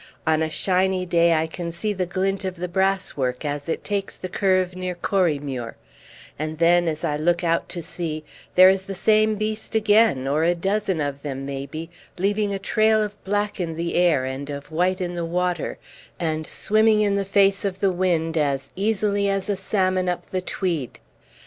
On a shiny day I can see the glint of the brass work as it takes the curve near Corriemuir; and then, as I look out to sea, there is the same beast again, or a dozen of them maybe, leaving a trail of black in the air and of white in the water, and swimming in the face of the wind as easily as a salmon up the Tweed.